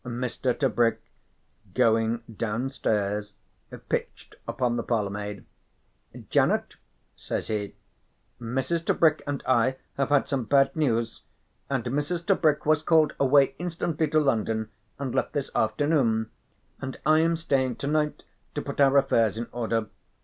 Mr. Tebrick going downstairs pitched upon the parlour maid. "Janet," says he, "Mrs. Tebrick and I have had some bad news, and Mrs. Tebrick was called away instantly to London and left this afternoon, and I am staying to night to put our affairs in order.